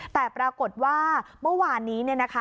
แต่ปรากฏว่าเมื่อวานนี้เนี่ยนะคะ